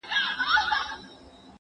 ما پرون د ښوونځي کتابونه مطالعه وکړ!